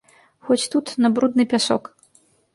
Хоць тут, на брудны пясок.